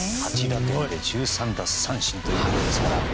８打点と１３奪三振ということですから。